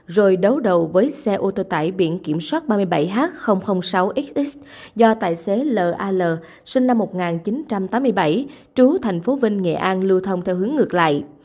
rồi đấu đầu với xe ô tô tải biển kiểm soát ba mươi bảy h sáu xx do tài xế la sinh năm một nghìn chín trăm tám mươi bảy trú thành phố vinh nghệ an lưu thông theo hướng ngược lại